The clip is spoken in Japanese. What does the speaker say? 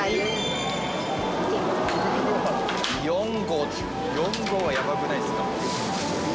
「４合４合はやばくないですか？」